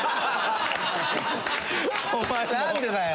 お前なんでだよ！